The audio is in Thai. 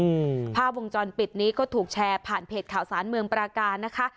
อืมภาพวงจรปิดนี้ก็ถูกแชร์ผ่านเพจข่าวสารเมืองปราการนะคะ